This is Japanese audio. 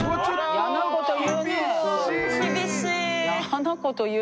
嫌なこと言う。